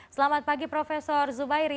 selamat pagi prof zubairi